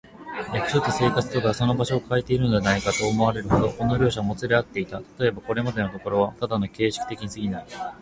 役所と生活とがその場所をかえているのではないか、と思われるほど、この両者はもつれ合っていた。たとえば、これまでのところはただ形式的にすぎない、